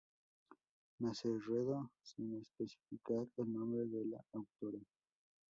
Mazarredo", sin especificar el nombre de la autora.